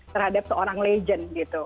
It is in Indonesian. terhadap seorang legend gitu